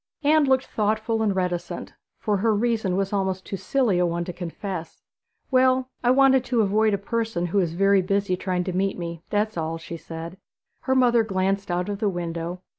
Anne looked thoughtful and reticent, for her reason was almost too silly a one to confess. 'Well, I wanted to avoid a person who is very busy trying to meet me that's all,' she said. Her mother glanced out of the window.